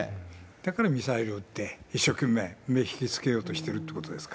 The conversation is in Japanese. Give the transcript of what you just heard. だからミサイルを撃って、一生懸命目を引き付けようとしてるってことですか。